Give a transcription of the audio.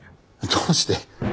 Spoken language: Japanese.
どうして！